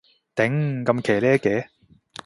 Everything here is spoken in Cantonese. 頂，咁騎呢嘅